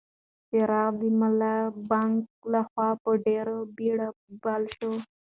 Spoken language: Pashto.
څراغ د ملا بانګ لخوا په ډېرې بېړه بل شو.